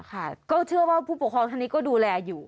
ค่ะก็เชื่อว่าผู้ปกครองท่านนี้ก็ดูแลอยู่